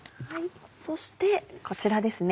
そしてこちらですね。